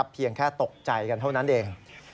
เพียงแค่ตกใจกันเท่านั้นเอง